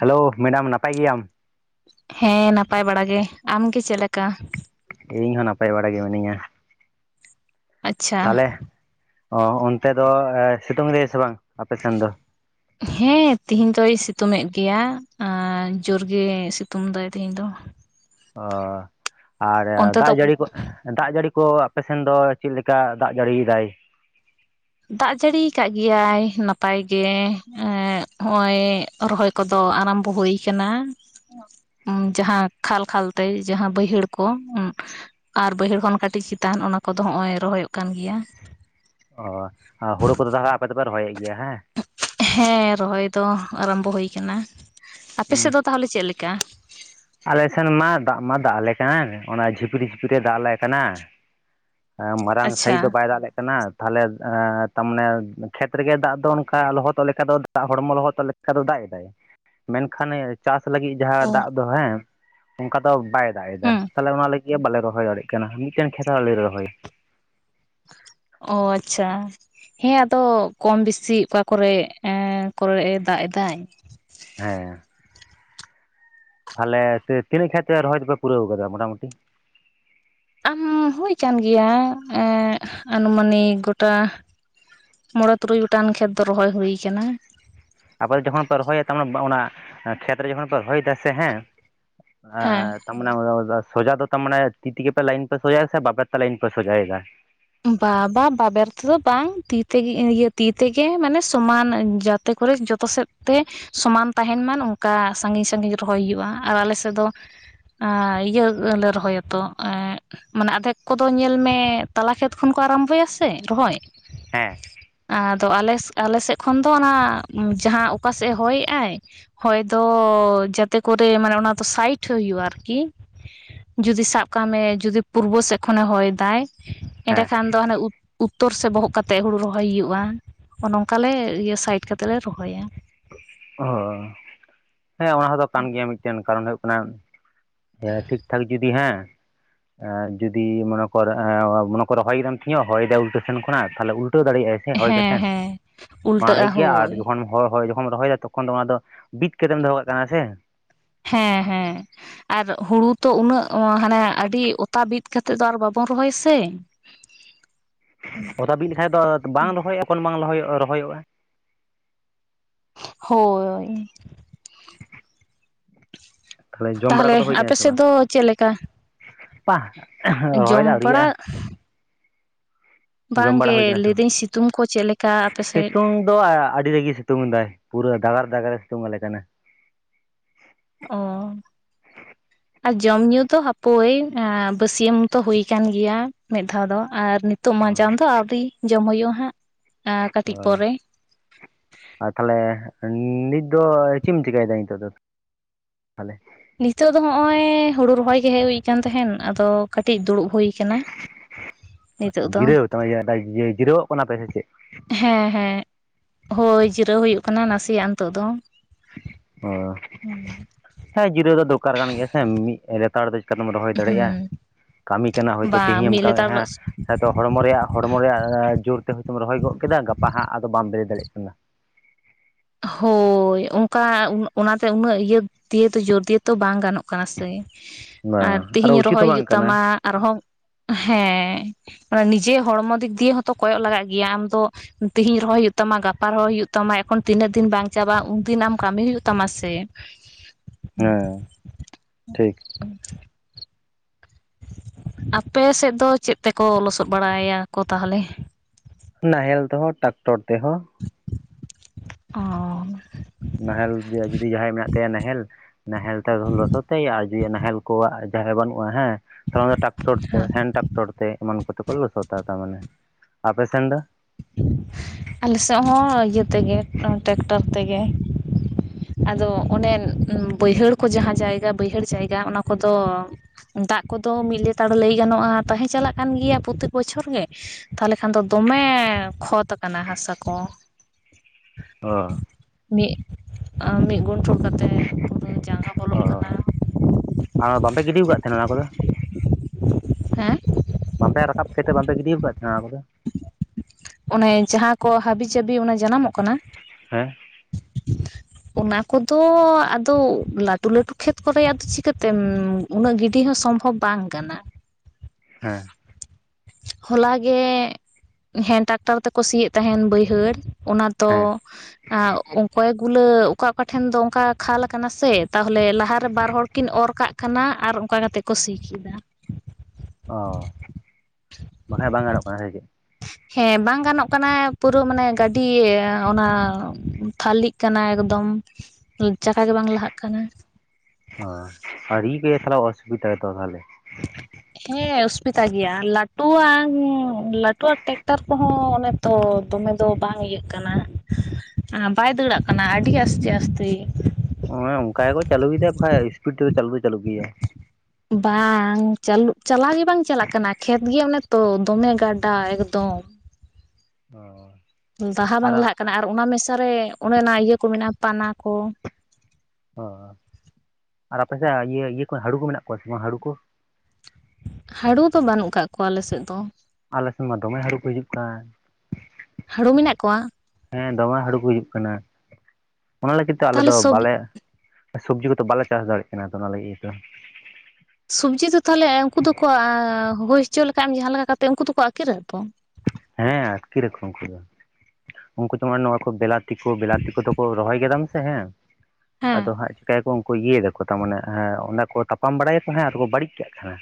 Hello madam ᱱᱟᱯᱟᱭ ᱜᱮᱭᱟᱢ ᱦᱮᱸ ᱱᱟᱯᱟᱭ ᱵᱟᱲᱟ ᱜᱮ ᱟᱢᱜᱮ ᱪᱮᱫ ᱞᱮᱠᱟ? ᱤᱧ ᱦᱚᱸ ᱱᱟᱯᱟᱭ ᱵᱟᱲᱟ ᱜᱮ ᱢᱤᱱᱟᱹᱧᱟ ᱟᱪᱪᱷᱟ ᱛᱟᱦᱚᱞᱮ ᱚ ᱚᱱᱛᱮ ᱫᱚ ᱥᱤᱛᱩᱝ ᱮᱫᱟᱭ ᱥᱮ ᱵᱟᱝ ᱟᱯᱮ ᱥᱮᱱ ᱫᱚ ᱦᱮᱸ ᱛᱮᱦᱮᱧ ᱫᱚᱭ ᱥᱤᱛᱩᱝ ᱮᱫ ᱜᱮᱭᱟ ᱟᱨ ᱡᱳᱨᱜᱮ ᱥᱤᱛᱩᱝ ᱫᱟᱭ ᱛᱤᱦᱮᱧ ᱫᱚ ᱚ ᱟᱨ ᱚᱱᱛᱮ ᱫᱟᱜ ᱫᱚ ᱡᱟᱹᱲᱤ ᱠᱚ ᱫᱟᱜ ᱡᱟᱹᱲᱤ ᱠᱚ ᱟᱯᱮᱥᱮᱱ ᱫᱚ ᱪᱮᱫ ᱞᱮᱠᱟ ᱫᱟᱜ ᱡᱟᱹᱲᱤᱭᱮᱫᱟᱭ ᱫᱟᱜ ᱡᱟᱹᱲᱤᱭᱟᱠᱟᱜ ᱜᱮᱭᱟᱭ ᱱᱟᱯᱟᱭ ᱜᱮ ᱮᱸᱜ ᱱᱚᱸᱜᱻᱚᱭ ᱨᱚᱦᱚᱭ ᱠᱚᱫᱚ ᱟᱨᱟᱢᱵᱷᱚ ᱦᱩᱭ ᱠᱟᱱᱟ ᱡᱟᱦᱟᱸ ᱠᱷᱟᱞ ᱠᱷᱟᱞᱛᱮ ᱡᱟᱦᱟᱸ ᱵᱟᱹᱭᱦᱟᱹᱲ ᱠᱚ ᱟᱨ ᱵᱟᱹᱭᱦᱟᱹᱲ ᱠᱷᱚᱱ ᱠᱟᱹᱴᱤᱡ ᱪᱮᱛᱟᱱ ᱚᱱᱟ ᱠᱚᱫᱚ ᱦᱚᱸᱜ ᱚᱭ ᱨᱚᱦᱚᱭᱚᱜ ᱠᱟᱱ ᱜᱮᱭᱟ ᱚ ᱦᱩᱲᱩ ᱠᱚᱫᱚ ᱫᱟᱜ ᱢᱮᱱᱟᱜ ᱟᱯᱮ ᱫᱚᱯᱮ ᱨᱚᱦᱚᱭᱮᱫ ᱜᱮᱭᱟ ᱦᱮᱸ ᱦᱮᱸ ᱨᱚᱦᱚᱭ ᱫᱚ ᱟᱨᱟᱢᱵᱚ ᱦᱩᱭ ᱟᱠᱟᱱᱟ ᱟᱯᱮᱥᱮᱫ ᱫᱚ ᱛᱟᱦᱚᱞᱮ ᱪᱮᱫ ᱞᱮᱠᱟ? ᱟᱞᱮ ᱥᱮᱱ ᱢᱟ ᱫᱟᱜ ᱢᱟ ᱫᱟᱜ ᱟᱞᱮ ᱠᱟᱱᱟ ᱚᱱᱟ ᱡᱷᱤᱯᱤᱨ ᱡᱷᱤᱯᱤᱨ ᱨᱮ ᱫᱟᱜ ᱟᱞᱮ ᱠᱟᱱᱟ ᱦᱮ ᱢᱟᱨᱟᱝ ᱥᱟᱦᱤᱡ ᱟᱪᱪᱷᱟ ᱫᱚ ᱵᱟᱭ ᱫᱟᱜ ᱮᱜ ᱠᱟᱱᱟ ᱛᱟᱦᱚᱞᱮ ᱛᱟᱨ ᱢᱟᱱᱮ ᱠᱷᱮᱛ ᱨᱮᱜᱮ ᱫᱟᱜ ᱫᱚ ᱚᱱᱠᱟ ᱞᱚᱦᱚᱫᱚᱜ ᱞᱮᱠᱟᱱ ᱫᱚ ᱫᱟᱜ ᱦᱚᱲᱢᱚ ᱞᱚᱦᱚᱫᱚᱜ ᱞᱮᱠᱟ ᱫᱚ ᱫᱟᱜ ᱮᱫᱟᱭ ᱢᱮᱱᱠᱷᱟᱱ ᱪᱟᱥ ᱞᱟᱹᱜᱤᱫ ᱚ ᱡᱟᱦᱟᱸ ᱫᱟᱜ ᱫᱚ ᱦᱮᱸ ᱚᱱᱠᱟ ᱫᱚ ᱵᱟᱭ ᱫᱟᱜ ᱮᱫᱟ ᱦᱩᱸ ᱛᱟᱦᱚᱞᱮ ᱚᱱᱟ ᱞᱟᱹᱜᱤᱫ ᱵᱟᱞᱮ ᱨᱚᱦᱚᱭ ᱫᱟᱲᱮᱭᱟᱜᱼᱟ ᱠᱟᱱᱟ ᱢᱤᱫᱴᱮᱱ ᱠᱷᱮᱛ ᱦᱚᱸ ᱟᱣᱨᱤ ᱞᱮ ᱨᱚᱦᱚᱭᱟ ᱚ ᱟᱪᱪᱷᱟ ᱦᱮᱸ ᱟᱫᱚ ᱠᱚᱢ ᱵᱤᱥᱤ ᱚᱠᱟ ᱠᱚᱨᱮ ᱮᱸ ᱠᱚᱨᱮ ᱫᱟᱜ ᱮᱫᱟᱭ ᱦᱮᱸ ᱛᱟᱦᱞᱮ ᱛᱤᱱᱟᱹᱜ ᱠᱷᱮᱛ ᱨᱮ ᱨᱚᱦᱚᱭ ᱫᱚᱯᱮ ᱯᱩᱨᱟᱹᱣ ᱠᱟᱫᱟ ᱢᱚᱴᱟᱢᱩᱴᱤ? ᱟᱢ ᱦᱩᱭ ᱠᱟᱱ ᱜᱮᱭᱟ ᱮᱸ ᱟᱱᱩᱢᱟᱹᱱᱤᱠ ᱜᱚᱴᱟ ᱢᱚᱬᱮ ᱛᱩᱨᱩᱭ ᱜᱚᱴᱟᱝ ᱠᱷᱮᱛ ᱫᱚ ᱨᱚᱦᱚᱭ ᱦᱳ ᱟᱠᱟᱱᱟ᱾ ᱟᱯᱮ ᱡᱚᱠᱷᱚᱱ ᱯᱮ ᱨᱚᱦᱚᱭᱮᱫ ᱠᱟᱱᱟ ᱚᱱᱟ ᱠᱷᱮᱛᱨᱮ ᱡᱚᱠᱷᱚᱱ ᱯᱮ ᱨᱚᱦᱚᱭ ᱫᱟ ᱥᱮ ᱦᱮᱸ ᱦᱮᱸ ᱟᱨ [inaudible] ᱥᱚᱡᱟ ᱫᱚ ᱛᱟᱢᱟᱱᱮ ᱛᱤᱛᱤ ᱜᱮ ᱯᱮ ᱞᱟᱭᱤᱱ ᱯᱮ ᱥᱚᱡᱟᱭ ᱥᱮ ᱵᱟᱵᱮᱨ ᱛᱮ ᱞᱟᱭᱤᱱ ᱯᱮ ᱥᱚᱡᱟᱭᱮᱫᱟ ᱵᱟᱝ ᱵᱟᱝ ᱵᱟᱵᱮᱨ ᱛᱮᱫᱚ ᱵᱟᱝ ᱛᱤ ᱛᱮᱜᱮ ᱤᱭᱟᱹ ᱛᱤ ᱛᱮᱜᱮ ᱢᱟᱱᱮ ᱥᱚᱢᱟᱱ ᱡᱟᱼᱼ ᱟᱛᱮ ᱠᱚᱨᱮ ᱡᱚᱛᱚ ᱥᱮᱫ ᱛᱮ ᱥᱚᱢᱟᱱ ᱛᱟᱦᱮᱱ ᱢᱟ ᱚᱱᱠᱟ ᱥᱟᱺᱜᱤᱧ ᱥᱟᱺᱜᱤᱧ ᱨᱚᱦᱚᱭ ᱦᱩᱭᱩᱜᱼᱟ ᱟᱨ ᱟᱞᱮ ᱥᱮᱫ ᱫᱚ ᱟ ᱤᱭᱟᱹ ᱞᱮ ᱨᱚᱦᱚᱭᱟᱛᱚ ᱢᱟᱱᱮ ᱟᱫᱷᱮᱠ ᱠᱚᱫᱚ ᱧᱮᱞ ᱢᱮ ᱛᱟᱞᱟ ᱠᱷᱮᱛ ᱠᱷᱚᱱ ᱠᱚ ᱟᱨᱚᱢᱵᱷᱚᱭᱟ ᱥᱮ ᱨᱚᱦᱚᱭ᱾ ᱦᱮᱸ ᱟᱫᱚ ᱟᱞᱮ ᱟᱞᱮ ᱥᱮᱫ ᱠᱷᱚᱱ ᱫᱚ ᱚᱱᱟ ᱡᱟᱦᱟᱸ ᱚᱠᱟᱥᱮᱫᱼ ᱮ ᱦᱚᱭᱮᱜᱼᱟᱭ ᱦᱚᱭ ᱫᱚ ᱡᱟᱛᱮ ᱠᱚᱨᱮ ᱢᱟᱱᱮ ᱚᱱᱟ ᱫᱚ ᱥᱟᱭᱤᱴ ᱦᱚᱸ ᱦᱩᱭᱩᱜᱼᱟ ᱟᱨᱠᱤ ᱡᱩᱫᱤ ᱥᱟᱵ ᱠᱟᱜ ᱢᱮ ᱡᱩᱫᱤ ᱯᱩᱨᱵᱚ ᱥᱮᱫ ᱠᱷᱚᱱᱮ ᱦᱚᱭ ᱫᱟᱭ ᱦᱮᱸ ᱮᱸᱰᱮᱠᱷᱟᱱ ᱫᱚ ᱦᱟᱱᱮ ᱩᱫᱼᱼ ᱩᱛᱛᱚᱨ ᱥᱮᱫ ᱵᱚᱦᱚᱜ ᱠᱟᱛᱮᱫ ᱦᱩᱲᱩ ᱨᱚᱦᱚᱭ ᱦᱩᱭᱩᱜᱼᱟ, ᱚᱱᱻᱚᱱᱠᱟ ᱞᱮ ᱥᱟᱭᱤᱰ ᱠᱟᱛᱮᱜ ᱞᱮ ᱨᱚᱦᱚᱭᱟ᱾ ᱚ ᱦᱮᱸ ᱚᱱᱟᱫᱚ ᱠᱟᱱ ᱜᱮᱭᱟ ᱢᱤᱫᱴᱮᱱ ᱠᱟᱨᱚᱱ ᱚᱱᱟ ᱴᱷᱤᱠ ᱴᱷᱟᱠ ᱡᱩᱫᱤ ᱦᱮᱸ ᱮᱸ ᱡᱩᱫᱤ ᱢᱚᱱᱮ ᱠᱚᱨ ᱮᱸ ᱢᱚᱱᱮ ᱠᱚᱨᱚ ᱨᱚᱦᱚᱭᱮᱫᱟᱢ ᱛᱤᱧᱟᱹ ᱦᱚᱭᱮᱫᱟᱭ ᱩᱞᱴᱟᱹ ᱥᱮᱱ ᱠᱷᱚᱱᱟᱜ ᱛᱟᱦᱚᱞᱮ ᱩᱞᱴᱟᱹᱣ ᱫᱟᱲᱮᱭᱟᱜ-ᱟᱭ᱾ [inaudible] ᱦᱮᱸ ᱠᱟᱛᱮᱱ ᱦᱮᱸ ᱢᱟ ᱞᱟᱹᱭ ᱩᱞᱴᱟᱹᱜᱼᱟ ᱜᱮᱭᱟ ᱟᱨ ᱦᱳᱭ ᱡᱚᱠᱷᱚᱱ ᱦᱳ ᱦᱳᱭ ᱡᱚᱠᱷᱚᱱ ᱨᱚᱦᱚᱭᱫᱟ ᱛᱚᱠᱷᱚᱱ ᱫᱚ ᱚᱱᱟ ᱫᱚ ᱵᱤᱫ ᱠᱟᱛᱮᱢ ᱫᱚᱦᱚ ᱠᱟᱜ ᱠᱟᱱᱟ ᱥᱮ᱾ ᱦᱮᱸ ᱦᱮᱸ ᱟᱨ ᱦᱩᱲᱩ ᱛᱚ ᱩᱱᱟᱹᱜ ᱢᱟᱱᱮ ᱟᱹᱰᱤ ᱚᱛᱟ ᱵᱤᱫ ᱠᱟᱛᱮᱜ ᱫᱚ ᱟᱨ ᱵᱟᱵᱚᱱ ᱨᱚᱦᱚᱭ ᱥᱮ [inaudible] [inaudible] ᱵᱤᱫ ᱞᱮᱠᱟᱱ ᱫᱚ ᱵᱟᱝ ᱨᱚᱦᱚᱭᱚᱜᱼᱟ ᱮᱠᱷᱚᱱ ᱵᱟᱝ ᱨᱚᱦᱚᱭᱚᱜᱼᱟ ᱦᱳᱭ ᱡᱚᱢ ᱵᱟᱲᱟ ᱛᱟᱦᱚᱞᱮ ᱠᱚᱫᱚ ᱦᱩᱭ ᱟᱯᱮ ᱥᱮᱫ ᱫᱚ ᱪᱮᱫ ᱞᱮᱠᱟ? ᱯᱟ [inaudible] ᱡᱚᱢᱵᱟᱲᱟ ᱡᱚᱢ ᱵᱟᱲᱟ ᱦᱩᱭ ᱟᱠᱟᱱᱟ ᱥᱮ ᱵᱟᱝ? ᱞᱟᱹᱭᱫᱟᱹᱧ ᱥᱤᱛᱩᱝ ᱠᱚ ᱪᱮᱫ ᱞᱮᱠᱟ ᱟᱯᱮᱥᱮᱫ ᱥᱤᱛᱩᱝ ᱫᱚ ᱟᱹᱰᱤ ᱨᱟᱹᱜᱤ ᱥᱤᱛᱩᱝ ᱫᱟᱭ ᱯᱩᱨᱟᱹ ᱫᱟᱜᱟᱨ ᱫᱟᱜᱟᱨᱮ ᱥᱤᱛᱩᱝ ᱟᱞᱮ ᱠᱟᱱᱟ᱾ ᱚ [inaudible] ᱟᱨ ᱡᱚᱢ ᱧᱩ ᱫᱚ ᱦᱟᱯᱳᱭ ᱵᱟᱹᱥᱭᱟᱹᱢ ᱛᱚ ᱦᱳᱭ ᱟᱠᱟᱱ ᱜᱮᱭᱟ ᱢᱤᱫ ᱫᱷᱟᱣ ᱫᱚ ᱟᱨ ᱛᱚ ᱢᱟᱡᱟᱢ ᱫᱚ ᱟᱹᱣᱨᱤ ᱡᱚᱢ ᱦᱩᱭᱩᱜᱼᱟ ᱦᱟᱸᱜ ᱠᱟᱹᱴᱤᱡ ᱚ ᱯᱚᱨᱮ ᱟᱨ ᱛᱟᱦᱚᱞᱮ ᱱᱤᱛ ᱫᱚ ᱪᱮᱫ ᱮᱢ ᱪᱤᱠᱟᱹᱭᱮᱫᱟ ᱱᱤᱛᱚᱜ ᱫᱚ ᱛᱟᱦᱞᱮ? ᱱᱤᱛᱚᱜ ᱫᱚ ᱱᱚᱸᱜᱻᱚᱸᱭ ᱦᱩᱲᱩ ᱨᱚᱦᱚᱭ ᱜᱮ ᱦᱮᱡ ᱦᱩᱭ ᱟᱠᱟᱱ ᱛᱟᱦᱮᱸᱱ ᱟᱫᱚ ᱠᱟᱹᱴᱤᱡ ᱫᱩᱲᱩᱵ ᱦᱩᱭ ᱟᱠᱟᱱᱟ᱾ [unintelligible] ᱡᱤᱨᱟᱹᱣ [unintelligible] ᱡᱤᱨᱟᱹᱣᱚᱜ ᱠᱟᱱᱟᱯᱮ ᱥᱮ ᱪᱮᱫ? ᱦᱮᱸ ᱦᱮᱸ ᱦᱳᱭ ᱡᱤᱨᱟᱹᱣ ᱦᱩᱭᱩᱜ ᱠᱟᱱᱟ, ᱱᱟᱥᱮᱭᱟᱜ ᱱᱤᱛᱚᱜ ᱫᱚ᱾ ᱚ ᱦᱮᱸ ᱡᱤᱨᱟᱹᱣ ᱫᱚ ᱫᱚᱨᱠᱟᱨ ᱠᱟᱱ ᱜᱮᱭᱟ ᱥᱮ ᱢᱤᱫ ᱞᱮᱛᱟᱲ ᱫᱚ ᱪᱮᱠᱟᱛᱮᱢ ᱨᱚᱦᱚᱭ ᱫᱟᱲᱮᱭᱟᱜᱼᱟ᱾ ᱦᱩᱸ ᱠᱟᱢᱤ ᱠᱟᱱᱟ ᱦᱚᱭᱛᱚ ᱵᱟᱝ ᱛᱮᱦᱮᱧᱮᱢ ᱢᱤᱫ ᱠᱟᱹᱢᱤ ᱞᱮᱛᱟᱲ ᱦᱮᱸ ᱦᱚᱭᱛᱚ ᱦᱚᱲᱢᱚ ᱨᱮᱭᱟᱜ ᱦᱚᱲᱢᱚ ᱨᱮᱭᱟᱜ ᱡᱳᱨᱛᱮ ᱦᱳᱭᱛᱚᱢ ᱨᱚᱦᱚᱭ ᱜᱚᱫ ᱠᱮᱫᱟ ᱜᱟᱯᱟ ᱦᱟᱸᱜ ᱟᱫᱚ ᱵᱟᱢ ᱵᱮᱨᱮᱫ ᱫᱟᱲᱮᱜ ᱠᱟᱱᱟ᱾ ᱦᱳᱭ ᱚᱱᱠᱟ ᱚᱱᱟᱛᱮ ᱩᱱᱟᱹᱜ ᱤᱭᱟᱹ ᱫᱤᱭᱮᱛᱮ ᱡᱳᱨ ᱫᱤᱭᱮ ᱛᱚ ᱵᱟᱝ ᱜᱟᱱᱚᱜ ᱠᱟᱱᱟ ᱥᱮ ᱟᱨ ᱵᱟᱝ ᱛᱤᱦᱤᱧ ᱩᱪᱤᱛ ᱨᱚᱦᱚᱭ ᱦᱚᱸ ᱵᱟᱝ ᱦᱩᱭᱩᱜ ᱠᱟᱱᱟ ᱛᱟᱢᱟ ᱟᱨᱦᱚᱸ ᱦᱮᱸ᱾ ᱱᱤᱡᱮ ᱦᱚᱲᱢᱚ ᱫᱤᱠ ᱫᱤᱭᱮ ᱦᱚᱸᱛᱚ ᱠᱚᱭᱚᱜ ᱞᱟᱜᱟᱜ ᱜᱮᱭᱟ ᱟᱢ ᱫᱚ ᱛᱤᱦᱤᱧ ᱨᱚᱦᱚᱭ ᱦᱩᱭᱩᱜ ᱛᱟᱢᱟ ᱜᱟᱯᱟ ᱨᱚᱦᱚᱭ ᱦᱩᱭᱩᱜ ᱛᱟᱢᱟ ᱮᱠᱷᱚᱱ ᱛᱤᱱᱟᱹᱜ ᱫᱤᱱ ᱵᱟᱝ ᱪᱟᱵᱟᱜᱼᱟ ᱩᱱᱫᱤᱱ ᱟᱢ ᱠᱟᱹᱢᱤ ᱦᱩᱭᱩᱜ ᱛᱟᱢᱟ ᱥᱮ᱾ ᱦᱮᱸ ᱴᱷᱤᱠ᱾ [unintelligible] ᱟᱯᱮ ᱥᱮᱫ ᱫᱚ ᱪᱮᱫ ᱛᱮᱠᱚ ᱞᱚᱥᱚᱫ ᱵᱟᱲᱟᱭᱟ ᱠᱚ ᱛᱟᱦᱚᱞᱮ? ᱱᱟᱦᱮᱞ ᱛᱮᱦᱚᱸ ᱴᱟᱠᱴᱚᱨ ᱛᱮᱦᱚᱸ᱾ ᱚ ᱱᱟᱦᱮᱞ ᱡᱩᱫᱤ ᱡᱟᱦᱟᱸᱭ ᱢᱮᱱᱟᱜ ᱛᱟᱭᱟ ᱱᱟᱦᱮᱞ ᱱᱟᱦᱮᱞ ᱛᱮ ᱞᱚᱥᱚᱫ ᱛᱮ ᱟᱨ ᱡᱚᱭ ᱱᱟᱦᱮᱞ ᱠᱚᱣᱟᱜ ᱡᱟᱦᱟ ᱵᱟᱹᱱᱩᱜᱼᱟ ᱦᱮᱸ ᱴᱟᱠᱴᱚᱨ ᱛᱮ ᱮᱠᱷᱮᱱ ᱴᱟᱠᱴᱚᱨ ᱛᱮ ᱮᱢᱟᱱ ᱠᱚᱛᱮ ᱠᱚ ᱞᱚᱥᱚᱫ ᱛ ᱾ᱢᱟᱱᱮ ᱟᱯᱮ ᱥᱮᱱ ᱫᱚ? ᱟᱞᱮ ᱥᱮᱫ ᱦᱚᱸ ᱤᱭᱟᱹ ᱛᱮᱜᱮ ᱴᱮᱠᱴᱚᱨ ᱛᱮᱜᱮ᱾ ᱟᱫᱚ ᱚᱱᱮ ᱵᱟᱹᱭᱦᱟᱹᱲ ᱠᱚ ᱡᱟᱦᱟᱸ ᱡᱟᱭᱜᱟ ᱵᱟᱹᱭᱦᱟᱹᱲ ᱡᱟᱭᱜᱟ ᱚᱱᱟ ᱠᱚᱫᱚ ᱫᱟᱜ ᱠᱚᱫᱚ ᱢᱤᱫ ᱞᱮᱛᱟᱲ ᱞᱟᱹᱭ ᱜᱟᱱᱚᱜᱼᱟ ᱛᱟᱦᱮᱸ ᱪᱟᱞᱟᱜ ᱠᱟᱱ ᱜᱮᱭᱟ ᱯᱚᱨᱛᱮᱠ ᱵᱚᱪᱷᱚᱨ ᱜᱮ? ᱛᱟᱦᱚᱞᱮ ᱠᱷᱟᱱ ᱫᱚ ᱫᱚᱢᱮ ᱠᱷᱚᱛ ᱠᱟᱱᱟ ᱦᱟᱥᱟ ᱠᱚ? [unintelligible] ᱢᱤᱫ ᱢᱤᱫ ᱜᱩᱱ ᱚ [unintelligible] ᱟᱨ ᱵᱟᱯᱮ ᱜᱤᱰᱤ ᱟᱠᱟᱫ ᱛᱟᱦᱮᱱᱟ ᱚᱱᱟ ᱠᱚᱫᱚ? ᱦᱮᱸ ᱵᱟᱯᱮ ᱨᱟᱠᱟᱵ ᱠᱟᱛᱮᱫ ᱵᱟᱝ ᱯᱮ ᱜᱤᱰᱤ ᱟᱠᱟᱫ ᱛᱟᱦᱮᱱᱟ ᱚᱱᱟ ᱠᱚᱫᱚ? ᱚᱱᱮ ᱡᱟᱦᱟᱸ ᱠᱚ ᱦᱟᱹᱵᱤ ᱡᱟᱹᱵᱤ ᱚᱱᱮ ᱡᱟᱱᱟᱢᱚᱜ ᱠᱟᱱᱟ ᱦᱮᱸ ᱚᱱᱟ ᱠᱚᱫᱚ ᱟᱫᱚ ᱞᱟᱹᱴᱩ ᱞᱟᱹᱴᱩ ᱠᱷᱮᱛ ᱠᱚᱨᱮᱭᱟᱜ ᱫᱚ ᱪᱤᱠᱟᱹᱛᱮᱢ ᱩᱱᱟᱹᱜ ᱜᱤᱰᱤ ᱦᱚᱸ ᱥᱚᱢᱵᱷᱚᱵᱽ ᱵᱟᱝ ᱠᱟᱱᱟ᱾ ᱦᱮᱸ ᱦᱚᱞᱟ ᱜᱮ ᱦᱮᱸ ᱴᱨᱟᱠᱴᱟᱨ ᱛᱮᱠᱚ ᱥᱤᱭᱮᱫ ᱛᱟᱦᱮᱸᱱᱟ ᱵᱟᱹᱭᱦᱟᱹᱲ᱾ ᱚᱱᱟ ᱛᱚ ᱦᱮᱸ ᱚᱠᱚᱭ ᱜᱩᱞᱟᱹ ᱚᱠᱟ ᱚᱠᱟ ᱴᱷᱮᱱ ᱫᱚ ᱚᱱᱠᱟ ᱠᱷᱟᱞ ᱟᱠᱟᱱᱟ ᱥᱮ ᱛᱟᱦᱚᱞᱮ ᱞᱟᱦᱟ ᱨᱮ ᱵᱟᱨ ᱦᱚᱲ ᱠᱤᱱ ᱚᱨ ᱠᱟᱜ ᱠᱷᱟᱱᱟᱜ ᱟᱨ ᱚᱱᱠᱟ ᱠᱟᱛᱮᱫ ᱠᱚ ᱥᱤ ᱠᱮᱫᱟ᱾ ᱚᱻ [unintelligible] ᱵᱟᱠᱷᱟᱡ ᱵᱟᱝ ᱜᱟᱱᱚᱜ ᱠᱟᱱᱟ ᱥᱮ ᱪᱮ ᱦᱮᱸ ᱵᱟᱝ ᱜᱟᱱᱚᱜ ᱠᱟᱱᱟ ᱯᱩᱨᱟᱹ ᱢᱟᱱᱮ ᱜᱟᱹᱰᱤ ᱚᱱᱟ ᱛᱷᱟᱹᱞᱤᱜ ᱠᱟᱱᱟ ᱮᱠᱫᱚᱢ᱾ ᱪᱟᱠᱟ ᱜᱮ ᱵᱟᱝ ᱞᱟᱦᱟᱜ ᱠᱟᱱᱟ᱾ [unintelligible] ᱚ ᱟᱰᱤ ᱜᱮ ᱛᱟᱦᱚᱞᱮ ᱚᱥᱩᱵᱤᱫᱟ ᱛᱚ ᱛᱟᱦᱚᱞᱮ ᱦᱮᱸ ᱚᱥᱩᱵᱤᱛᱟ ᱜᱮᱭᱟ ᱞᱟᱹᱴᱩᱣᱟ ᱞᱟᱹᱴᱩᱣᱟᱜ ᱴᱮᱠᱴᱟᱨ ᱠᱚᱦᱚᱸ ᱚᱱᱮ ᱛᱚ ᱫᱚᱢᱮ ᱫᱚ ᱵᱟᱝ ᱤᱭᱟᱹᱜ ᱠᱟᱱᱟ ᱵᱟᱭ ᱫᱟᱹᱲᱟᱜ ᱠᱟᱱᱟ ᱟᱹᱰᱤ ᱟᱥᱛᱮ ᱟᱥᱛᱮ ᱱᱚᱜᱚᱭ ᱚᱱᱠᱟ ᱜᱮᱠᱚ ᱪᱟᱹᱞᱩ ᱜᱮᱭᱟ ᱵᱟᱠᱟᱱ ᱤᱥᱯᱤᱰ ᱛᱮ ᱪᱟᱞᱩ ᱫᱚ ᱪᱟᱹᱞᱩ ᱜᱮᱭᱟ᱾ ᱵᱟᱝ ᱪᱟᱹᱩ ᱪᱟᱞᱟᱣ ᱜᱮ ᱵᱟᱝ ᱪᱟᱞᱟᱜ ᱠᱟᱱᱟ ᱠᱷᱮᱛ ᱜᱮ ᱚᱱᱮ ᱛᱚ ᱫᱚᱢᱮ ᱜᱟᱰᱟ ᱮᱠᱫᱚᱢ ᱚᱻ ᱞᱟᱦᱟ ᱵᱟᱝ ᱞᱟᱦᱟᱜ ᱠᱟᱱᱟ ᱟᱨ ᱚᱱᱟ ᱢᱮᱥᱟᱨᱮ ᱚᱱᱮ ᱚᱱᱟ ᱤᱭᱟᱹ ᱠᱚ ᱢᱮᱱᱟᱜᱼᱟ ᱯᱟᱱᱟ ᱠᱚ ᱚ ᱟᱨ ᱟᱯᱮ ᱥᱮᱫ ᱤᱭᱟᱹ ᱤᱭᱟᱹ ᱠᱚ ᱦᱟᱹᱲᱩ ᱠᱚ ᱢᱮᱱᱟᱜ ᱠᱚᱣᱟ ᱥᱮ ᱵᱟᱝ ᱦᱟᱹᱲᱩ ᱠᱚ ᱦᱟᱹᱲᱩ ᱫᱚ ᱵᱟᱹᱱᱩᱜ ᱠᱟᱜ ᱠᱚᱣᱟ ᱟᱞ ᱥᱮᱫ ᱫᱚ᱾ ᱟᱞᱮ ᱥᱮᱱ ᱢᱟ ᱫᱚᱢᱮ ᱦᱟᱹᱬᱩ ᱠᱚ ᱦᱤᱡᱩᱜ ᱠᱟᱱ᱾ ᱦᱟᱬᱩ ᱢᱮᱱᱟᱜ ᱠᱚᱣᱟ ᱦᱮᱸ ᱫᱚᱢᱮ ᱦᱩᱲᱩ ᱠᱚ ᱦᱤᱡᱩᱜ ᱠᱟᱱᱟ ᱚᱱᱟ ᱞᱟᱹᱜᱤᱫ ᱛᱮ ᱟᱞᱮ ᱛᱟᱦᱚᱞᱮ ᱫᱚ ᱥᱚᱵ ᱵᱟᱞᱮ ᱥᱚᱵᱽᱡᱤ ᱠᱚᱫᱚ ᱵᱟᱞᱮ ᱪᱟᱥ ᱫᱟᱲᱮᱭᱟᱜ ᱠᱟᱱᱟ ᱚᱱᱟ ᱞᱟᱹᱜᱤᱫ ᱛᱚ᱾ ᱥᱚᱵᱽᱡᱤ ᱫᱚ ᱛᱟᱦᱚᱞᱮ ᱩᱱᱠᱩ ᱫᱚᱠᱚ ᱦᱩᱭ ᱦᱚᱪᱚ ᱞᱮᱠᱷᱟᱱ ᱡᱟᱦᱟᱸ ᱞᱮᱠᱟ ᱠᱟᱛᱮᱫ ᱩᱱᱠᱩ ᱫᱚᱠᱚ ᱟᱹᱠᱤᱨᱟ ᱫᱚ? ᱦᱮᱸ ᱟᱹᱛᱠᱤᱨ [unintelligible] ᱩᱱᱠᱩ ᱡᱮᱢᱚᱱ ᱱᱚᱣᱟ ᱠᱚ ᱵᱮᱞᱟᱛᱤ ᱠᱚ ᱵᱮᱞᱟᱛᱤ ᱠᱚᱫᱚ ᱠᱚ ᱨᱚᱦᱚᱭ ᱠᱮᱫᱟᱢ ᱥᱮ ᱦᱮᱸ? ᱦᱮᱸ ᱟᱫᱚ ᱦᱟᱸᱜ ᱪᱤᱠᱟᱭᱟᱠᱚ ᱩᱱᱠᱩ ᱢᱟᱱᱮ ᱩᱱᱠᱩ ᱤᱭᱟᱹᱭ ᱫᱟᱠᱚ ᱛᱟᱨ ᱢᱟᱱᱮ ᱦᱮᱸ ᱚᱱᱟ ᱠᱚ ᱛᱟᱯᱟᱢ ᱵᱟᱲᱟᱭᱟᱠᱚ ᱦᱚ ᱠᱚ ᱵᱟᱹᱲᱤᱡ ᱠᱟᱜ ᱠᱟᱱᱟ᱾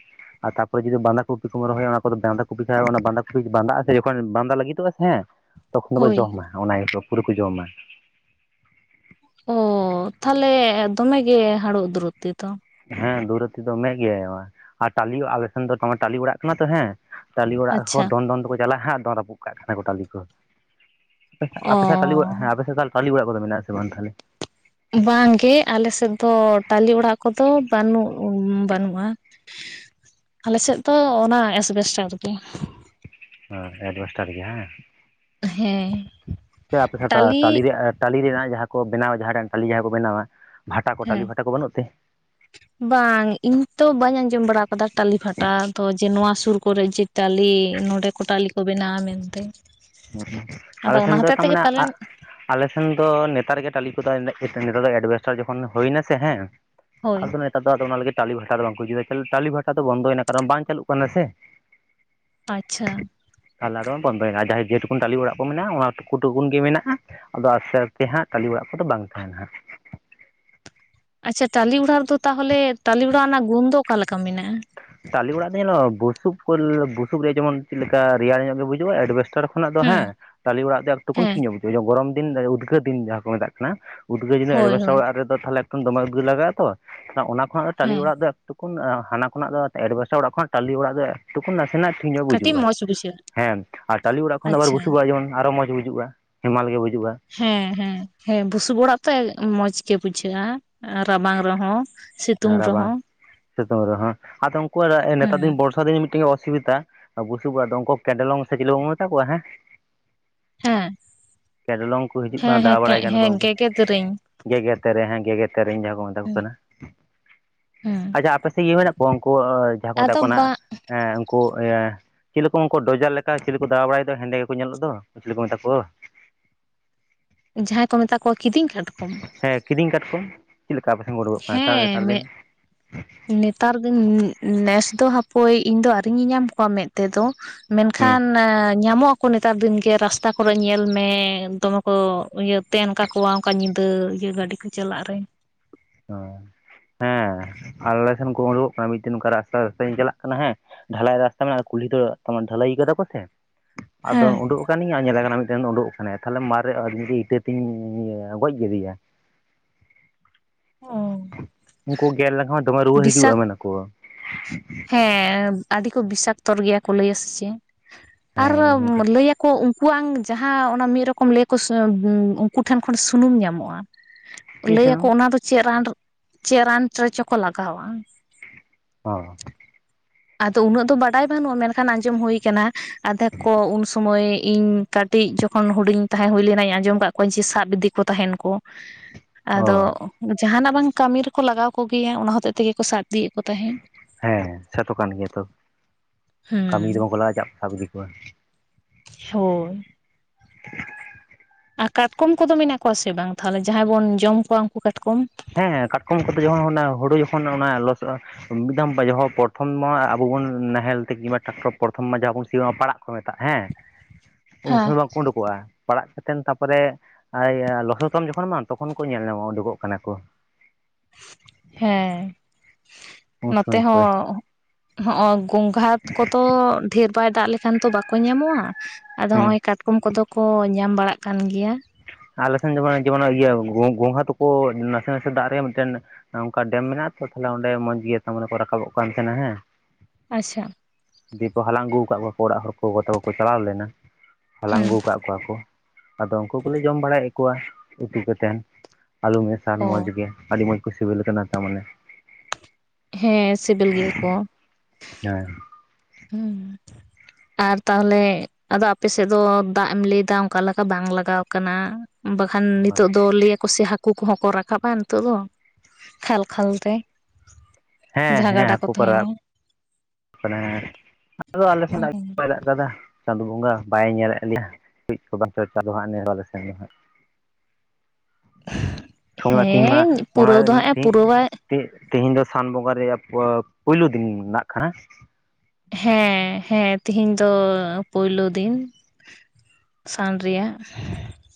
ᱟᱨ ᱛᱟᱨ ᱯᱚᱨᱮ ᱡᱩᱫᱤ ᱵᱟᱸᱫᱷᱟ ᱠᱚᱯᱤ ᱠᱚᱢ ᱨᱚᱦᱚᱭᱟ ᱚᱱᱟ ᱠᱚᱫᱚ ᱵᱟᱸᱫᱟ ᱠᱚᱯᱤ ᱠᱷ ᱚᱱᱟ ᱵᱟᱸᱫᱟ ᱠᱚᱯᱤ ᱵᱟᱫᱟᱜᱼᱟ ᱡᱚᱠᱷᱚᱱ ᱵᱟᱸᱫᱟ ᱞᱟᱹᱜᱤᱫᱚᱜᱼᱟ ᱥᱮ ᱦᱮᱸ ᱛᱚᱠᱷᱚᱱ ᱫᱚᱠᱚ ᱦᱳᱭ ᱡᱚᱢᱟ ᱚᱱᱟ ᱦᱤᱥᱟᱹ ᱯᱩᱨᱟᱹ ᱠᱚ ᱡᱚᱢᱟ ᱚ ᱛᱟᱦᱚᱞᱮ ᱫᱚᱢᱮ ᱜᱮ ᱦᱟᱹᱲᱩ ᱫᱩᱨᱩᱵᱛᱤ ᱛᱚ᱾ ᱦᱮᱸ ᱫᱩᱨᱛᱤ ᱫᱚᱢᱮᱜ ᱜᱮ ᱟᱨ ᱴᱟᱞᱤ ᱟᱞᱮᱥᱮᱱ ᱫᱚ ᱴᱟᱹᱞᱤ ᱚᱲᱟᱜ ᱠᱟᱱᱟ ᱛᱚ ᱦᱮᱸ ᱴᱟᱞᱤ ᱚᱲᱟᱜ ᱠᱚ ᱟᱪᱪᱷᱟ ᱫᱚᱱ ᱫᱚᱱ ᱛᱮᱠᱚ ᱪᱟᱞᱟᱜᱼᱟ ᱦᱟᱸᱜ ᱫᱚᱱ ᱨᱟᱹᱯᱩᱫ ᱠᱟᱜ ᱠᱟᱱᱟ ᱠᱚ ᱴᱟᱹᱞᱤ ᱠᱚ ᱚ ᱟᱯᱮ ᱥᱮᱫ ᱴᱟᱞᱤ ᱚᱲᱟᱜ ᱦᱮᱸ ᱟᱯᱮ ᱥᱮᱫ ᱴᱟᱞᱤ ᱚᱲᱟᱜ ᱠᱚᱫᱚ ᱢᱮᱱᱟᱜ ᱟᱥᱮ ᱵᱟᱝ ᱛᱟᱦᱞᱮ ᱵᱟᱝᱜᱮ ᱟᱞᱮ ᱥᱮᱫ ᱫᱚ ᱛᱟᱞᱮ ᱚᱲᱟᱜ ᱠᱚᱫᱚ ᱵᱟᱹᱱᱩᱜ ᱵᱟᱹᱱᱩᱜᱼᱟ ᱟᱞᱮᱥᱮᱫ ᱫᱚ ᱚᱱᱟ ᱮᱥ ᱵᱮᱥᱴᱟᱨ ᱜᱮ ᱦᱮᱸ ᱟᱡᱵᱮᱥᱴᱟᱨ ᱜᱮ ᱦᱮᱸ ᱦᱮᱸ ᱛᱚ ᱟᱯᱮ ᱥᱮᱫ ᱫᱚ ᱛᱟᱞᱮ ᱴᱟᱞᱤ ᱨᱮᱭᱟᱜ ᱴᱟᱹᱟᱞᱤ ᱨᱮᱱᱟᱜ ᱡᱟᱦᱟᱸ ᱠᱚ ᱵᱮᱱᱟᱣᱟ ᱡᱟᱦᱟᱸ ᱴᱟᱞᱤ ᱡᱟᱦᱟᱸ ᱠᱚ ᱵᱮᱱᱟᱣᱟ ᱵᱷᱟᱴᱟ ᱠᱚ ᱴᱟᱞᱤ ᱦᱮᱸ ᱵᱷᱟᱴᱟ ᱠᱚ ᱵᱟᱹᱱᱩᱜ ᱛᱮ ᱵᱟᱝ ᱤᱧ ᱛᱚ ᱵᱟᱹᱧ ᱟᱸᱡᱚᱢ ᱵᱟᱲᱟ ᱟᱠᱟᱫᱟ ᱴᱟᱞᱤ ᱵᱷᱟᱴᱟ ᱛ ᱡᱮ ᱱᱚᱣᱟ ᱥᱩᱨ ᱠᱚᱨᱮ ᱡᱮ ᱴᱟᱞᱤ ᱱᱚᱸᱰᱮ ᱠᱚ ᱴᱟᱞᱤ ᱠᱚ ᱵᱮᱱᱟᱣᱟ ᱢᱮᱱᱛᱮ ᱦᱸ ᱟᱫᱚ ᱟᱞᱮ ᱚᱱᱟ ᱥᱮᱱ ᱫᱚ ᱦᱚᱛᱮᱡ ᱛᱚ ᱛᱮᱜᱮ ᱢᱟᱱᱮ [unintelligible] ᱯᱟᱞᱮᱱ ᱟᱞᱮᱥᱱ ᱫᱚ ᱱᱮᱛᱟᱨ ᱜᱮ ᱴᱟᱹᱟᱞ ᱠᱚᱫᱚ ᱱᱮᱛᱟᱨ ᱫᱚ ᱮᱡᱵᱷᱮᱥᱴᱟᱨ ᱡᱚᱠᱷᱚᱱ ᱦᱩᱭᱱᱟᱥᱮ ᱦᱮᱸ ᱦᱳᱭ ᱟᱫᱚ ᱱᱮᱛᱟᱨ ᱫᱚ ᱟᱫᱚ ᱚᱱᱟ ᱞᱟᱹᱜᱤᱫ ᱴᱟᱞᱤ ᱵᱷᱟᱴᱟ ᱫᱚ ᱵᱟᱝᱠᱚ ᱡᱩᱫᱟ ᱴᱟᱞᱤ ᱵᱷᱟᱴᱟ ᱫᱚ ᱵᱚᱱᱫᱚᱭᱮᱱᱟ ᱠᱟᱨᱚᱱ ᱵᱟᱝ ᱪᱟᱞᱩᱜ ᱠᱟᱱᱟ ᱥᱮ ᱟᱪᱷᱟ ᱛᱟᱞᱟ ᱨᱮᱷᱚᱸ ᱵᱚᱱᱫᱚᱭᱮᱱᱟ ᱡᱟᱦᱮ ᱡᱮᱴᱩᱠᱩᱱ ᱴᱟᱟᱞᱤ ᱚᱲᱟᱜ ᱠᱚ ᱢᱮᱱᱟᱜᱼᱟ ᱚᱱᱟ ᱴᱩᱠᱩ ᱴᱩᱠᱩᱱ ᱜᱮ ᱢᱮᱱᱟᱜᱼᱟ ᱟᱫᱚ ᱟᱥᱛᱮ ᱟᱥᱛᱮ ᱦᱟᱸᱜ ᱴᱟᱞᱤ ᱚᱲᱟᱜ ᱠᱚᱫᱚ ᱵᱟᱝ ᱛᱟᱦᱮᱱᱟ ᱦᱟᱸᱜ ᱟᱪᱷᱟ ᱴᱟᱞᱤ ᱚᱲᱟ ᱨᱮᱫᱚ ᱛᱟᱦᱚᱞᱮ ᱴᱟᱞᱤ ᱚᱲᱟᱜ ᱨᱮᱱᱟᱜ ᱜᱩᱱ ᱫᱚ ᱚᱠᱟᱞᱮᱠᱟ ᱢᱮᱱᱟᱜᱼᱟ ᱛᱟᱞᱮ ᱚᱲᱟᱜ ᱫᱚ ᱱᱦᱸᱟᱜ ᱵᱩᱥᱩᱵ ᱠᱚ ᱵᱩᱥᱩᱵ ᱨᱮᱭᱟᱜ ᱡᱮᱢᱚᱱ ᱪᱮᱫ ᱞᱮᱠᱟ ᱨᱮᱭᱟᱲ ᱧᱚᱜ ᱜᱮ ᱵᱩᱡᱩᱜᱼᱟ ᱮᱡᱵᱮᱥᱴᱟᱨ ᱠᱦᱚᱱ ᱚᱱᱟᱜ ᱫᱚ ᱦᱮᱸ ᱴᱟᱞᱤ ᱚᱲᱟᱜ ᱫᱚ ᱮᱠᱴᱩ ᱠᱚ ᱦᱮᱸ ᱴᱷᱤᱠ ᱧᱚᱜ ᱵᱩᱡᱷᱟᱹᱣᱟ ᱜᱚᱨᱚᱢ ᱫᱤᱱ ᱩᱫᱽᱜᱟᱹᱨ ᱫᱤᱱ ᱡᱟᱦᱟᱸ ᱠᱚ ᱢᱮᱛᱟᱜ ᱠᱟᱱᱟ ᱩᱫᱽᱜᱟᱹᱨ ᱡᱩᱫᱤ ᱦᱳᱭ ᱮᱡᱵᱮᱥᱴᱟᱨ ᱦᱳᱭ ᱚᱲ ᱨᱮᱫᱚ ᱛᱟᱦᱚᱞᱮ ᱮᱠᱴᱩ ᱫᱚᱢᱮ ᱩᱫᱽᱜᱟᱹᱨ ᱞᱟᱜᱟᱜᱼᱟ ᱛᱚ ᱚᱱᱟ ᱠᱷᱚᱱᱟᱜ ᱴᱟᱞᱤ ᱦᱮᱸ ᱚᱲᱟᱜ ᱫᱚ ᱮᱠᱴᱩ ᱦᱟᱱᱟ ᱠᱷᱚᱱᱟᱜ ᱫᱚ ᱮᱡᱵᱟᱥᱴᱟᱨ ᱚᱲᱟᱜ ᱠᱷᱚ ᱴᱟᱞᱤ ᱚᱲᱟᱜ ᱫᱚ ᱮᱠᱴᱩᱠᱩ ᱱᱟᱥᱮᱱᱟᱜ ᱴᱦᱤᱠ ᱧᱚᱜ ᱠᱟᱹᱴᱤᱡ ᱵᱩᱡᱩᱜᱼᱟ ᱢᱚᱸᱡᱽ ᱵᱩᱡᱷᱟᱹᱜᱼᱟ ᱦᱮᱸ ᱟᱨ ᱴᱟᱞᱤ ᱚᱲᱟᱜ ᱠᱷᱚᱱ ᱫᱚ ᱟᱵᱟᱨ ᱟᱪᱪᱷᱟ ᱵᱩᱥᱩᱵᱚᱲᱟᱜ ᱡᱮᱢᱚᱱ ᱟᱨᱚ ᱢᱚᱡᱽ ᱵᱩᱡᱩᱜᱼᱟ ᱦᱮᱢᱟᱞ ᱜᱮ ᱵᱩᱡᱩᱜᱼᱟ ᱦᱮᱸ ᱦᱮᱸ ᱦᱮᱸ ᱵᱩᱥᱩᱵ ᱚᱲᱟᱜ ᱛᱮ ᱢᱚᱸᱡᱽ ᱜᱮ ᱵᱩᱡᱷᱟᱹᱜᱼᱟ ᱨᱟᱵᱟᱝ ᱨᱮᱦᱚᱸ ᱦᱮᱸ ᱥᱤᱛᱩᱝ ᱨᱟᱵᱟᱝ ᱨᱮᱦᱚᱸ ᱥᱤᱛᱩᱳᱝ ᱨᱮ ᱦ ᱟᱫᱚ ᱩᱱᱠᱩᱣᱟᱜ ᱱᱮᱛᱟᱨ ᱦᱮᱸ ᱫᱤᱱ ᱵᱚᱨᱥᱟ ᱫᱤᱱ ᱢᱤᱫᱴᱮᱱ ᱚᱥᱩᱵᱤᱫᱷᱟ ᱵᱩᱥᱩᱵ ᱚᱲᱟᱜ ᱫᱚ ᱩᱱᱠᱚ ᱠᱮᱰᱮᱞᱚᱝ ᱥᱮ ᱪᱤᱞᱤ ᱵᱟᱵ [inaudible] ᱢᱮᱛᱟ ᱠᱚᱣᱟ ᱦᱮᱸ ᱦᱮᱸ ᱠᱮᱰᱞᱚᱝ ᱠᱚ ᱦᱤᱡᱩᱜ ᱦᱮᱸ ᱠᱟᱱᱟ ᱦᱮᱸ ᱫᱟ ᱵᱟᱲᱟᱭ ᱠᱟᱱᱟ ᱠᱚ ᱦᱮᱸ ᱩᱱᱠᱩ ᱜᱮᱜᱮᱫ ᱨᱤᱧ ᱜᱮᱜᱮᱫᱨᱮᱧ ᱦᱮᱸ ᱜᱮᱜᱮᱫᱨᱮᱧ ᱡᱟᱦᱟᱸ ᱠᱚ ᱢᱮᱛᱟ ᱠᱚ ᱠᱟᱱᱟ [inaudible] ᱦᱮᱸ ᱟᱪᱷᱟ ᱟᱯᱮ ᱥᱮᱫ ᱠᱤ ᱢᱮᱱᱟᱜ ᱠᱚᱣᱟ ᱩᱱᱠᱩ ᱡᱟᱦᱟᱸ ᱠᱚ ᱟᱫᱚ ᱢᱮᱛᱟᱜ ᱠᱚ ᱵᱟᱝ ᱮ ᱩᱱᱠᱩ ᱤᱭᱟᱹ ᱪᱮᱫ ᱞᱮᱠᱟ ᱩᱱᱠᱩ ᱰᱚᱡᱟᱨ ᱞᱮᱠᱟ ᱪᱤᱞ ᱠᱚ ᱫᱟᱬᱟ ᱵᱟᱲᱟᱭ ᱫᱚ ᱦᱮᱸᱰᱮ ᱜᱮᱠᱚ ᱧᱮᱞᱚᱜ ᱫᱚ ᱪᱮᱞᱤ ᱠᱚ ᱢᱮᱛᱟ ᱠᱚᱣᱟ [inaudible] ᱡᱟᱦᱟᱸᱭ ᱠᱚ ᱢᱮᱛᱟ ᱠᱚᱣᱟ ᱠᱤᱫᱤᱧ ᱠᱟᱴᱠᱚᱢ ᱦᱮᱸ ᱠᱤᱨᱤᱧ ᱠᱟᱴᱠᱚᱢ ᱪᱮᱫ ᱞᱮᱠᱟ ᱟᱯᱮ ᱥᱮᱱ ᱠᱚ ᱩᱰᱚᱠ ᱚᱜ ᱠᱟᱱᱟ ᱱᱮᱛᱟᱨ ᱦᱮᱸ ᱫᱤᱱ ᱱᱮᱛᱟᱨ ᱫᱤᱱ, ᱱᱮᱥ ᱫᱚ ᱦᱟᱯᱳᱭ ᱤᱧ ᱫᱚ ᱟᱣᱨᱤᱧ ᱧᱮᱧᱟᱢ ᱠᱚᱣᱟ ᱢᱮᱸᱫ ᱛᱮᱫᱚ ᱢᱮᱱᱠᱷᱟᱱ ᱦᱩᱸ ᱧᱟᱢᱚᱜ ᱟᱠᱚ ᱱᱮᱛᱟᱨ ᱫᱤᱱ ᱜᱮ ᱨᱟᱥᱛᱟ ᱠᱚᱨᱮ ᱧᱮᱞᱢᱮ ᱫᱚᱢᱮ ᱠᱚ ᱤᱭᱟᱹ ᱛᱮᱱ ᱠᱟᱠᱚᱣᱟ ᱚᱱᱠᱟ ᱧᱤᱫᱟᱹ ᱤᱭᱟᱹ ᱜᱟᱹᱰᱤ ᱠᱚ ᱪᱟᱞᱟᱜ ᱨᱮ ᱦ ᱦᱮᱸ ᱟᱨ ᱟᱞᱮ ᱥᱮᱱ ᱠᱚ ᱩᱰᱩᱠᱚᱜ ᱠᱟᱱᱟ ᱢᱤᱫᱴᱮᱱ ᱚᱱᱠᱟ ᱨᱟᱥᱛᱟ ᱨᱟᱥᱛᱟᱧ ᱛᱮ ᱪᱟᱞᱟᱜ ᱠᱟᱱᱟ ᱦᱮᱸ ᱰᱷᱟᱞᱟᱭ ᱨᱟᱥᱛᱟ ᱢᱮᱱᱟᱜᱼᱟ ᱠᱩᱞᱦᱤ ᱫᱚ ᱰᱷᱟᱹᱞᱟᱹᱭ ᱠᱟᱫᱟ ᱠᱚ ᱥᱮ ᱟᱫᱚ ᱦᱮᱸ ᱩᱰᱩᱠ ᱤᱧ ᱧᱮᱫᱮ ᱠᱟᱱᱟ ᱢᱤᱫᱴᱮᱱ ᱩᱰᱳᱠ ᱟᱠᱟᱱᱟᱭ ᱛᱟᱦᱚᱞᱮ ᱢᱟᱨᱮ ᱢᱤᱫ ᱤᱴᱟᱹ ᱛᱤᱧ ᱜᱚᱡ ᱠᱮᱫᱮᱭᱟ ᱚ ᱩᱱᱠᱩ ᱜᱮᱨ ᱞᱮᱱᱠᱷᱟᱱ ᱦᱚᱸ ᱫᱚᱢᱮ ᱨᱩᱣᱟᱹ ᱦᱤᱡᱩᱜᱼᱟ ᱢᱮᱱᱟ ᱠᱚ ᱦᱮᱸ ᱟᱹᱰᱤ ᱠᱚ ᱵᱤᱥᱟᱠᱛᱚ ᱜᱮᱭᱟ ᱠᱚ ᱞᱟᱹᱭᱟ ᱥᱮ ᱪᱮᱫ ᱟᱨ ᱦᱮᱸ ᱤᱧ ᱚᱱᱠᱟ ᱞᱟᱹᱭᱟᱠᱚ ᱩᱱᱠᱩ ᱩᱱᱠᱩᱣᱟᱝ ᱡᱟᱦᱟᱸ ᱚᱱᱟ ᱢᱤᱫ ᱨᱚᱠᱚᱢ ᱞᱟᱹᱭᱠᱚ ᱩᱱᱠᱩ ᱴᱷᱮᱱ ᱠᱷᱚᱱ ᱥᱩᱱᱩᱢ ᱧᱟᱢᱚᱜᱼᱟ ᱪᱮᱫ ᱞᱟᱹᱭ ᱟᱠᱚ ᱥᱩᱱᱩᱢ ᱚᱱᱟ ᱫᱚ ᱪᱮᱫ ᱨᱟᱱ ᱪᱮᱫ ᱨᱟᱱ ᱨᱮᱪᱚᱠᱚ ᱞᱟᱜᱟᱣᱟ ᱚ ᱟᱫᱚ ᱩᱱᱟᱹᱜ ᱫᱚ ᱵᱟᱰᱟᱭ ᱵᱟᱹᱱᱩᱜᱼᱟ ᱢᱮᱱᱠᱷᱟᱱ ᱟᱸᱡᱚᱢ ᱦᱩᱭᱟ ᱟᱠᱟᱱᱟ ᱟᱫᱷᱮᱠ ᱠᱚ ᱩᱱ ᱥᱚᱢᱚᱹᱭ ᱤᱧ ᱠᱟᱹᱴᱤᱡ ᱡᱚᱠᱷᱚᱱ ᱦᱩᱰᱤᱧ ᱛᱟᱦᱮᱸ ᱦᱩᱭ ᱞᱮᱱᱟᱧ ᱟᱸᱡᱚᱢ ᱠᱫ ᱠᱚᱣᱟᱧ ᱡᱮ ᱥᱟᱵ ᱤᱫᱤ ᱠᱚ ᱛᱟᱦᱮᱱ ᱠᱚ ᱚ ᱟᱫᱚ ᱡᱟᱦᱟᱱᱟᱜ ᱵᱟᱝ ᱠᱟᱹᱢᱤ ᱨᱮᱠᱚ ᱞᱟᱜᱟᱣ ᱠᱚᱜᱮᱭᱟ ᱚᱱᱟ ᱦᱚᱛᱮᱜ ᱛᱮᱜᱮᱠᱩ ᱥᱟᱵ ᱤᱫᱤᱭᱮᱫ ᱠᱚ ᱛᱟᱦᱮᱸᱫ ᱦᱮᱸ ᱥᱮᱴᱚ ᱠᱟᱱ ᱜᱮᱭᱟ ᱛᱚ ᱠᱟᱹᱢᱤ ᱫᱚ ᱦᱩᱸ ᱵᱟᱝᱠᱚ ᱞᱟᱜᱼᱟᱜ ᱠᱚ ᱥᱟᱵ ᱤᱫᱤ ᱠᱚᱣᱟ ᱦᱚᱭ ᱟᱨ ᱠᱟᱴᱠᱚᱢ ᱠᱚᱫᱚ ᱢᱮᱱᱟᱜ ᱠᱚᱣᱟ ᱥᱮ ᱵᱟᱝ ᱛᱟᱦᱞᱮ ᱡᱟᱦᱟᱸᱭ ᱵᱚᱱ ᱡᱚᱢ ᱠᱚᱣᱟ ᱩᱱᱠᱩ ᱠᱟᱴᱠᱚᱢ ᱦᱮᱸ ᱦᱮᱸ ᱠᱟᱴᱠᱚᱢ ᱠᱚᱫᱚ ᱡᱚᱢ ᱡᱚᱠᱷᱚᱱ ᱚᱱᱟ ᱦᱩᱲᱩ ᱡᱚᱠᱷᱚᱱ ᱚᱱᱟ ᱞᱚᱥᱚᱜᱼᱟ ᱢᱤᱫ ᱫᱷᱟᱢ ᱡᱚᱠᱷᱚᱡ ᱯᱨᱚᱛᱷᱚᱢ ᱢᱟ ᱟᱵᱚ ᱵᱚᱱ ᱱᱟᱦᱮᱞ ᱛᱮ ᱠᱤᱢᱵᱟ ᱴᱨᱮᱠᱴᱚᱨ ᱯᱨᱚᱛᱷᱚᱢ ᱢᱟ ᱡᱟᱦᱟᱸ ᱵᱚᱱ ᱥᱤᱭᱼᱟ ᱯᱟᱲᱟᱜ ᱠᱚ ᱢᱮᱛᱟᱜ ᱦᱮᱸ ᱩᱱ ᱦᱮᱸ ᱥᱚᱢᱚᱭ ᱵᱟᱠᱠᱚ ᱩᱰᱩᱠ ᱯᱟᱲᱟᱜ ᱠᱟᱛᱮᱱ ᱛᱟᱯᱚᱨᱮ ᱞᱚᱥᱚᱛᱟᱢ ᱡᱚᱠᱷᱚᱱ ᱢᱟ ᱛᱚᱠᱷᱚᱱ ᱠᱚ ᱧᱮᱞ ᱧᱟᱢᱚᱜᱼᱟ ᱩᱰᱩᱜᱚᱜ ᱠᱟᱱᱟ ᱠᱚ ᱦᱮᱸ ᱩᱱ ᱱᱚᱛᱮ ᱥᱚᱢᱚᱭ ᱠᱚ ᱦᱚᱸ ᱦᱚᱸᱜ-ᱚ ᱜᱚᱸᱜᱷᱟ ᱠᱚᱛᱚ ᱰᱷᱮᱨ ᱵᱟᱭ ᱫᱟᱜ ᱞᱮᱠᱷᱟᱱ ᱛᱚ ᱵᱟᱠᱚ ᱧᱟᱢᱚᱜᱼᱟ ᱟᱫᱚ ᱦᱮᱸ ᱦᱚᱸᱜᱼᱚᱭ ᱠᱟᱴᱠᱚᱢ ᱠᱚᱫᱚ ᱠᱚ ᱧᱟᱢ ᱵᱟᱲᱟᱜ ᱠᱟᱱ ᱜᱮᱭᱟ ᱟᱞᱮ ᱥᱮᱱ ᱡᱚᱠᱷᱚᱡ ᱡᱮᱢᱚᱱ ᱤᱭᱟᱹ ᱜᱚᱝᱜᱷᱟ ᱛᱟᱠᱚ ᱱᱟᱥᱮ ᱱᱟᱥᱮ ᱫᱟᱜ ᱨᱮ ᱢᱤᱫᱴᱮᱱ ᱚᱝᱠᱟ ᱰᱮᱢ ᱢᱮᱱᱟᱜ ᱛᱚ ᱛᱟᱞᱦᱮ ᱚᱸᱰᱮ ᱢᱚᱸᱡᱽ ᱜᱮ ᱛᱟᱨᱢᱟᱱᱮ ᱠᱚ ᱨᱟᱠᱟᱵᱚᱜ ᱠᱟᱱ ᱛᱟᱸᱦᱮᱱᱟ ᱦᱮᱸ ᱟᱪᱪᱷᱟ ᱫᱤᱭᱮᱠᱚ ᱦᱟᱞᱟᱝ ᱟᱹᱜᱩ ᱟᱠᱟᱜ ᱠᱚᱣᱟ ᱚᱲᱟᱜ ᱦᱚᱲ ᱠᱚ ᱚᱠᱚᱭ ᱠᱚᱠᱚ ᱪᱟᱞᱟᱣ ᱞᱮᱱᱟ ᱦᱟᱞᱟᱝ ᱦᱮᱸ ᱟᱹᱜᱩ ᱠᱟᱫ ᱠᱚᱣᱟ ᱠᱚ ᱟᱫᱚ ᱩᱱᱠᱩ ᱩᱱᱠᱚ ᱞᱮ ᱡᱚᱢ ᱵᱟᱲᱟᱭᱮᱫ ᱠᱚᱣᱟ ᱩᱛᱩ ᱠᱟᱛᱮᱱ ᱟᱹᱞᱩ ᱢᱮᱥᱟᱞ ᱚ ᱢᱚᱡᱽ ᱜᱮ ᱟᱹᱰᱤ ᱢᱚᱸᱡᱽ ᱠᱚ ᱥᱤᱵᱤᱞ ᱠᱟᱱᱟ ᱛᱟᱨ ᱢᱟᱱᱮ ᱦᱮᱸ ᱥᱤᱵᱤᱞ ᱜᱮᱭᱟ ᱠᱚ ᱦᱮᱸ ᱦᱩᱸ ᱟᱨ ᱛᱟᱦᱚᱞᱮ ᱟᱫᱚ ᱟᱯᱮᱥᱮᱫ ᱫᱚ ᱫᱟᱜ ᱮᱢ ᱞᱟᱹᱭ ᱮᱫᱟ ᱚᱱᱠᱟ ᱞᱮᱠᱟ ᱵᱟᱝ ᱞᱟᱜᱟᱣ ᱠᱟᱱᱟ ᱵᱟᱠᱷᱟᱱ ᱱᱤᱛᱳᱜ ᱫᱚ ᱞᱟᱹᱭᱟᱠᱚ ᱥᱮ ᱦᱟᱠᱩ ᱦᱟᱠᱩ ᱠᱚᱦᱚᱸ ᱠᱚ ᱨᱟᱠᱟᱵ-ᱟ ᱱᱤᱛᱚᱜ ᱫᱚ ᱠᱷᱟᱞ ᱠᱷᱟᱞ ᱛᱮ ᱦᱮᱸ ᱡᱟᱦᱟᱸ ᱦᱮᱸ ᱜᱟᱰᱟ ᱦᱟᱠᱩ ᱠᱚ ᱛᱟᱦᱮᱱᱟ ᱨᱟᱠᱟᱵ ᱠᱟᱱᱟ ᱟᱫᱚ ᱟᱞᱮ ᱥᱮᱱᱟᱜ ᱜᱮ ᱚᱝᱠᱟᱭᱫᱟ ᱪᱟᱸᱫᱳ ᱵᱚᱸᱜᱟ ᱵᱟᱭ ᱧᱮᱞᱮᱫ ᱞᱮᱭᱟ ᱠᱟᱹᱡ ᱠᱚ ᱵᱟᱝ ᱪᱟᱸᱫᱚ ᱦᱟᱸᱜ ᱱᱮ ᱵᱟᱞᱮ ᱥᱮᱱ ᱫᱚ ᱦᱟᱸᱜ ᱴᱷᱚᱸᱜᱟ ᱛᱤᱧ ᱢᱟ ᱦᱮᱸ ᱚᱱᱟ ᱯᱩᱨᱟᱹᱣ ᱫᱚ ᱦᱟᱸᱜ ᱮ ᱛᱤᱦᱤᱧ ᱯᱩᱨᱟᱹᱣᱟ ᱛᱮ ᱛᱮᱦᱮᱧ ᱫᱚ ᱥᱟᱱ ᱵᱚᱸᱜᱟ ᱨᱮᱭᱟᱜ ᱯᱳᱭᱞᱳ ᱫᱤᱱ ᱱᱟᱜ ᱠᱷᱟᱱ ᱦᱮᱸ ᱦᱮᱸ ᱛᱮᱦᱮᱧ ᱫᱚ ᱯᱳᱭᱞᱳ ᱫᱤᱱ ᱥᱟᱱ ᱨᱮᱭᱟᱜ